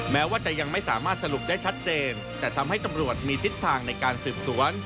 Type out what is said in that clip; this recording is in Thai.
แม้ว่าจะยังไม่สามารถสรุปได้ชัดเจนแต่ทำให้ตำรวจมีทิศทางในการสืบสวน